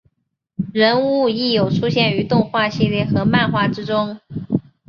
人物亦有出现于动画系列和漫画之中。